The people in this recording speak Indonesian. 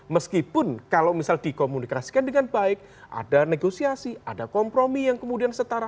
meskipun kalau misal dikomunikasikan dengan baik ada negosiasi ada kompromi yang kemudian setara